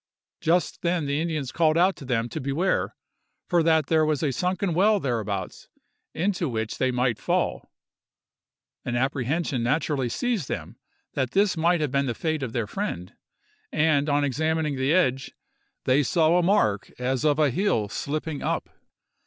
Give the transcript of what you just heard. Just then the Indians called out to them to beware, for that there was a sunken well thereabouts, into which they might fall. An apprehension naturally seized them that this might have been the fate of their friend; and on examining the edge, they saw a mark as of a heel slipping up.